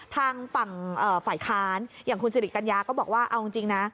ทางฝั่งฝ่ายค้านอย่างคุณสิริกัญญาก็บอกว่าเอาจริงนะ